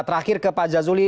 terakhir ke pak jazuli